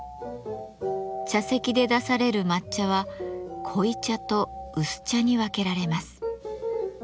茶席で出される抹茶は濃茶と薄茶に分けられます。